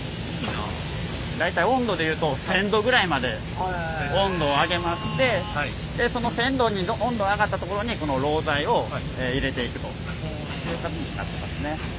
大体温度で言うと１，０００℃ぐらいまで温度を上げましてその１，０００℃に温度上がったところにこのロウ剤を入れていくという形になってますね。